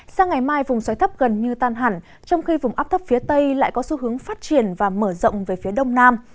sang ngày mai vùng xoáy thấp gần như tan hẳn trong khi vùng áp thấp phía tây lại có xu hướng phát triển và mở rộng về phía đông nam